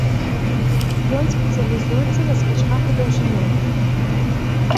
Ён спецыялізуецца на скачках у даўжыню.